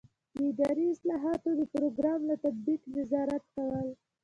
د اداري اصلاحاتو د پروګرام له تطبیق نظارت کول.